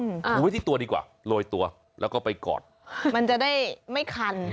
ดูไว้ที่ตัวดีกว่าโรยตัวแล้วก็ไปกอดมันจะได้ไม่คัน